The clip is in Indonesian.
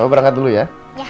kamu berangkat dulu ya